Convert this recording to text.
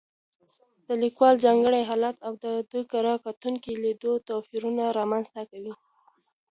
د لیکوال ځانګړی حالت او د کره کتونکي لید توپیرونه رامنځته کوي.